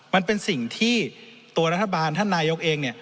มันเป็นสิ่งที่ตัวรัฐบาลท่านนายกเอง